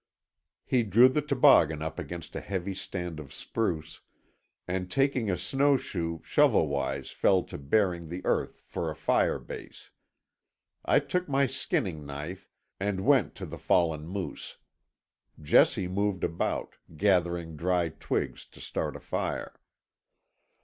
He drew the toboggan up against a heavy stand of spruce, and taking a snowshoe shovel wise fell to baring the earth for a fire base. I took my skinning knife and went to the fallen moose. Jessie moved about, gathering dry twigs to start a fire.